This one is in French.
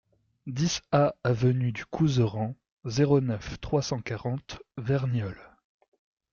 dix A avenue du Couserans, zéro neuf, trois cent quarante, Verniolle